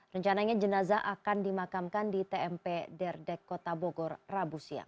rencananya jenazah akan dimakamkan di tmp derdek kota bogor rabu siang